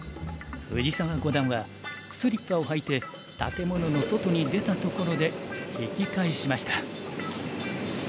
藤沢五段はスリッパを履いて建物の外に出たところで引き返しました。